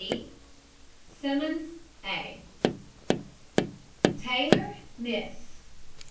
E. SIMMONS, A. TAYLOR, MISS.